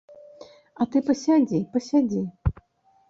А ты пасядзі, пасядзі.